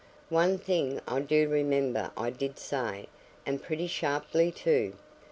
One thing I do remember I did say, and pretty sharply too.